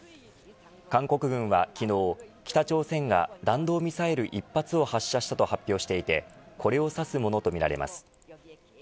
韓国軍は昨日北朝鮮が弾道ミサイル１発を発射したと発表していてこれを指すものとみられます。